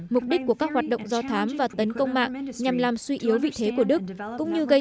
mục đích của các hoạt động do thám và tấn công mạng nhằm làm suy yếu vị thế của đức cũng như gây